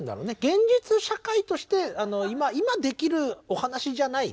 現実社会として今できるお話じゃないね。